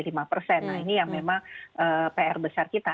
nah ini yang memang pr besar kita